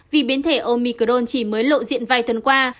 vì biến thể omicron chỉ mới lộ diện vài tuần qua